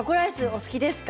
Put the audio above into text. お好きですか？